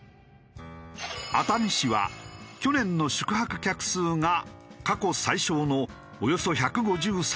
熱海市は去年の宿泊客数が過去最少のおよそ１５３万人。